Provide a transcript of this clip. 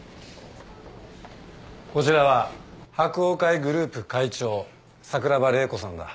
こちらは柏桜会グループ会長桜庭麗子さんだ。